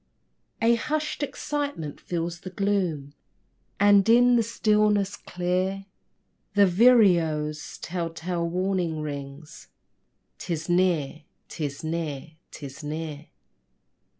A hushed excitement fills the gloom, And, in the stillness, clear The vireo's tell tale warning rings: "'Tis near 'tis near 'tis near!"